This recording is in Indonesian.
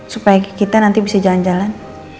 supaya kita nanti bisa jalan jalan